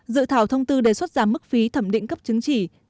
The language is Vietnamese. dự thảo thông tư đề xuất giảm mức phí thẩm định cấp chứng chỉ